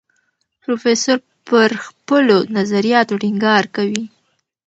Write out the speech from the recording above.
پروفیسور پر خپلو نظریاتو ټینګار کوي.